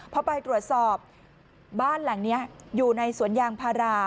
พอไปตรวจสอบบ้านหลังนี้อยู่ในสวนยางพารา